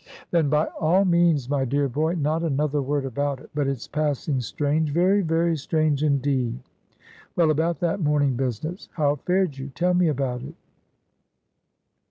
"Then by all means, my dear boy, not another word about it. But it's passing strange very, very strange indeed. Well, about that morning business; how fared you? Tell me about it."